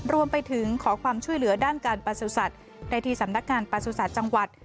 รวมไปถึงขอความช่วยเหลือด้านการประสุทธิ์ได้ที่สำนักงานประสุทธิ์จังหวัด